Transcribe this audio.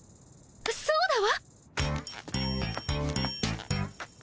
そうだわ！